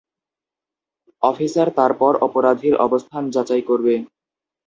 Officer তারপর অপরাধীর অবস্থান যাচাই করবে।